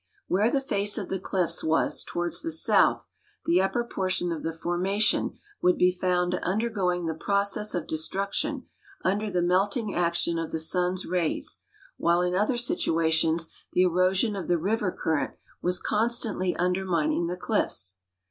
W'here the face of the cliffs Avas toAvards the south the upper j)ortion of the formation Avould be found undergoing the process of destruction under the melting action ol' the sun's rays, Avhile in other situations the erosion of the river current Avas constantly 346 ICE CLIFFS ON THE KOWAK RIVER undermining the cliffs.